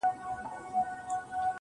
وسلوال غله خو د زړه رانه وړلای نه سي_